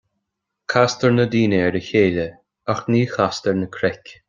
Castar na daoine ar a chéile, ach ní chastar na cnoic